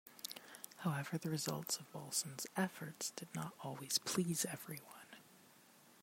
However, the results of Balsan's efforts did not always please everyone.